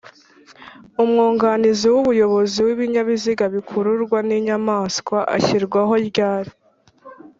umwuganizi wumuyobozi w’ibinyabiziga bikururwa n’inyamaswa ashyirwaho ryari